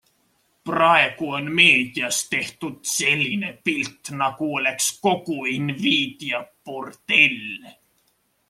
Praegu on meedias tehtud selline pilt, nagu oleks kogu Invidia bordell.